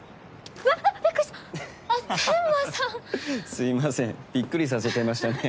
すいませんびっくりさせちゃいましたね。